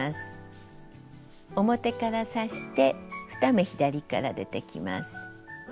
表から刺して２目左から出てきます。